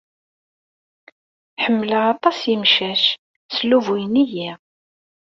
Ḥemmleɣ aṭas imcac. Sslubuyen-iyi.